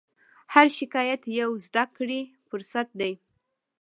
هر شکایت یو د زدهکړې فرصت دی.